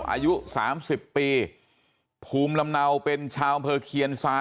อายุสามสิบปีภูมิลำเนาเป็นชาวอำเภอเคียนซา